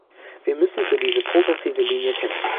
Wir müssen für diese progressive Linie kämpfen.